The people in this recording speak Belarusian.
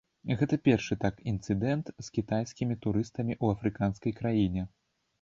Гэта першы так інцыдэнт з кітайскімі турыстамі ў афрыканскай краіне.